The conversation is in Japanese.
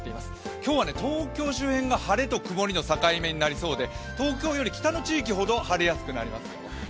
今日は東京周辺が晴れと曇りの境目になりそうで東京より北の地域ほど晴れやすくなります。